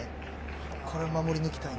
これは守り抜きたいな。